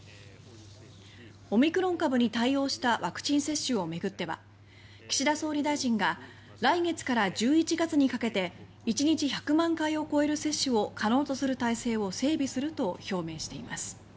オミクロン株に対応したワクチン接種をめぐっては岸田総理大臣が来月から１１月にかけて１日１００万回を超える接種を可能とする体制を整備すると表明しています。